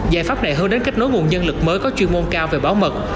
giải pháp này hơn đến kết nối nguồn nhân lực mới có chuyên môn cao về bảo mật